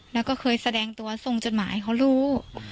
แล้วก็เคยแสดงตัวส่งจดหมายเขารู้